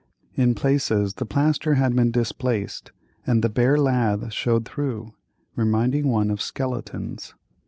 In places the plaster had been displaced and the bare lath showed through, reminding one of skeletons.